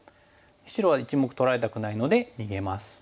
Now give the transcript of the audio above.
白は１目取られたくないので逃げます。